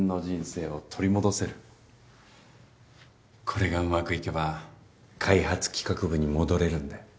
これがうまくいけば開発企画部に戻れるんだよ。